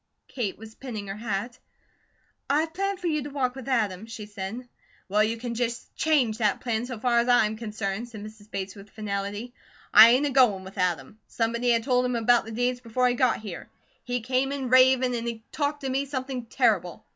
Kate was pinning her hat. "I have planned for you to walk with Adam," she said. "Well, you can just change THAT plan, so far as I am concerned," said Mrs. Bates with finality. "I ain't a goin' with Adam. Somebody had told him about the deeds before he got here. He came in ravin', and he talked to me something terrible.